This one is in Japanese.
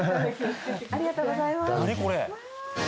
ありがとうございますわあー！